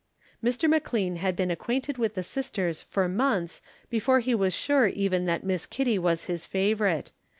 Mr. McLean had been acquainted with the sisters for months before he was sure even that Miss Kitty was his favorite.